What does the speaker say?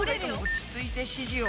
落ち着いて指示を。